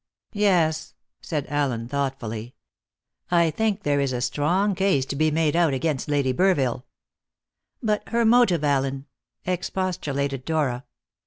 Yes," said Allen thoughtfully, "I think there is a strong case to be made out against Lady Burville." "But her motive, Allen?" expostulated Dora.